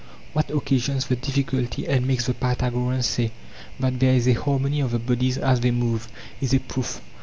What occasions the difficulty and makes the Pythagoreans say that there is a harmony of the bodies as they move, is a proof.